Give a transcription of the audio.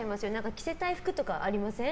着せたい服とかありません？